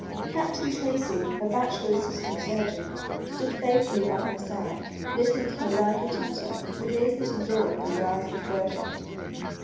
Captain Tracy, a bachelor assistant surgeon, stood faithfully by her side, listening to her lively chatter, with ears that absorbed and eyes that worshipped.